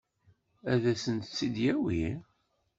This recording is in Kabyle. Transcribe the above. Ad sent-t-id-yawi?